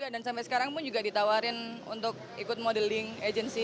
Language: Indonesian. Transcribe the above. dan sampai sekarang pun juga ditawarin untuk ikut modeling agency